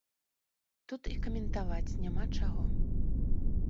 Тут і каментаваць няма чаго.